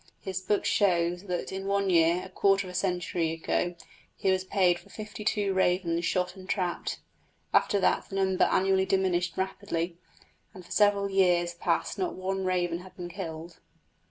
His book shows that in one year, a quarter of a century ago, he was paid for fifty two ravens shot and trapped. After that the number annually diminished rapidly, and for several years past not one raven had been killed.